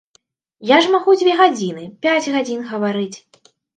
Я ж магу дзве гадзіны, пяць гадзін гаварыць!